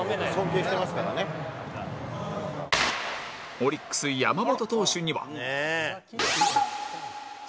オリックス山本投手には